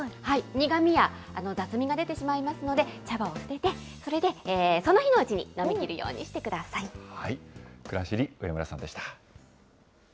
苦みや雑味が出てしまいますので、茶葉を捨てて、それで、その日のうちに飲みきるようにしてくださくらしり、上村さんでした。